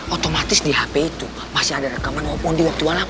otomatis di hp itu masih ada rekaman w dua puluh delapan mondi